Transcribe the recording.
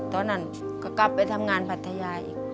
ตอนนั้นก็กลับไปทำงานคนที่ปรัชญาย